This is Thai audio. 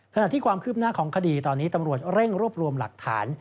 ขณะที่ความคืบหน้าของคดีตอนนี้ตำรวจเร่งรวบรวมหลักฐาน